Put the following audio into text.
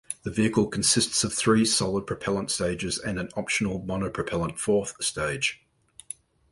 The vehicle consists of three solid propellant stages and an optional monopropellant fourth stage.